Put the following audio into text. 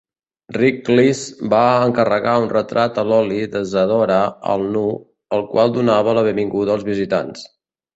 Riklis va encarregar un retrat a l'oli de Zadora al nu, el qual donava la benvinguda als visitants.